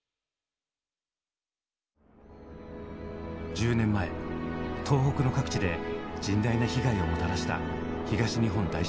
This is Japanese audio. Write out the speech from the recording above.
１０年前東北の各地で甚大な被害をもたらした東日本大震災。